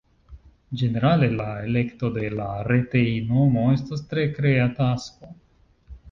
Ĝenerale, la elekto de la retej-nomo estas tre krea tasko.